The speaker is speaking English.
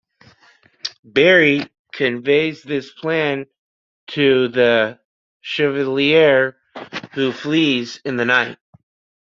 Barry conveys this plan to the Chevalier, who flees in the night.